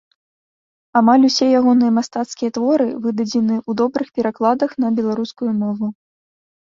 Амаль усе ягоныя мастацкія творы выдадзеныя ў добрых перакладах на беларускую мову.